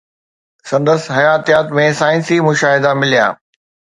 سندس حياتيات ۾ سائنسي مشاهدا مليا